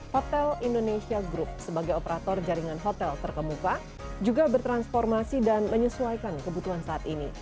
hotel indonesia group sebagai operator jaringan hotel terkemuka juga bertransformasi dan menyesuaikan kebutuhan saat ini